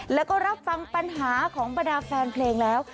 แล้วก็รับฟังปัญหาของบรรดาแฟนเพลงแล้ว